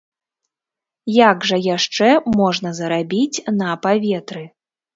Як жа яшчэ можна зарабіць на паветры?